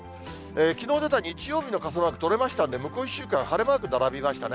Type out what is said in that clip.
きのう出た日曜日の傘マーク、とれましたんで、向こう１週間、晴れマーク並びましたね。